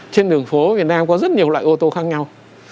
trên đường phố việt nam có rất nhiều loại ô tô khác nhau